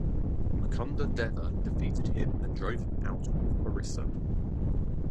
Mukunda Deva defeated him and drove him out of Orissa.